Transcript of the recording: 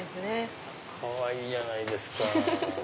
かわいいじゃないですか。